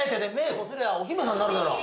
こすりゃお姫さんなるだろ。